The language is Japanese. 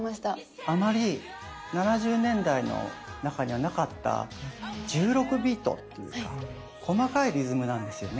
あまり７０年代の中にはなかった１６ビートっていうか細かいリズムなんですよね。